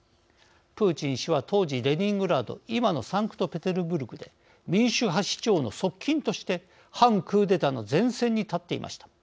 プーチン氏は当時レニングラード今のサンクトペテルブルクで民主派市長の側近として反クーデターの前線に立っていました。